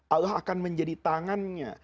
allah akan menjadi tangannya